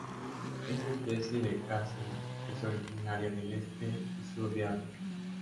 Esta especie de acacia es originaria del este y sur de África.